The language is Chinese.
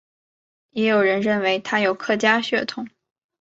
也有人认为他有客家血统。